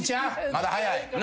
まだ早い。